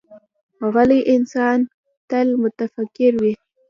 غلی انسان، تل متفکر وي.